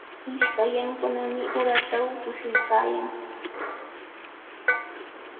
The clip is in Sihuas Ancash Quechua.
Ishkallankunami uratraw tushuykaayan.